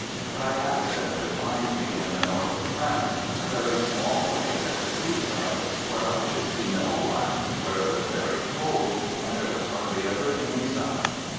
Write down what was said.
But I asked them to find me, in the North of France, a very small place at the seaside, where I should see no one, where it was very cold and there was hardly ever any sun.